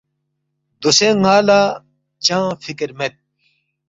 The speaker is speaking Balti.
دوسے ن٘ا لہ چنگ فِکر مید